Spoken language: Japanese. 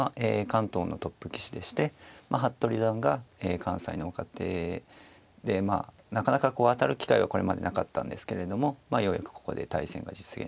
関東のトップ棋士でして服部四段が関西の若手でなかなかこう当たる機会はこれまでなかったんですけれどもいよいよここで対戦が実現したという感じですね。